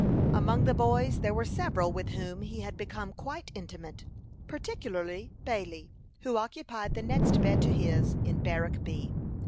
Among the boys there were several with whom he had become quite intimate, particularly Bailey, who occupied the next bed to his in Barrack B.